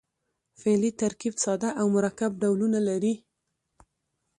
فعلي ترکیب ساده او مرکب ډولونه لري.